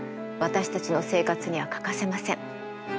私たちの生活には欠かせません。